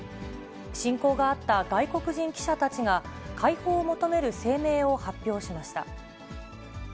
親交があった外国人記者たちが、解放を求める声明を発表しました。